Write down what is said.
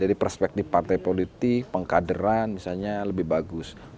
jadi perspektif partai politik pengkaderan misalnya lebih bagus